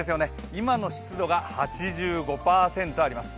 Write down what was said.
今の湿度が８５％あります。